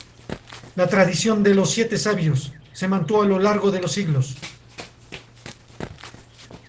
La tradición de los Siete Sabios se mantuvo a lo largo de los siglos.